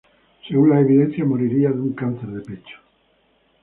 Según las evidencias, moriría de un cáncer de pecho.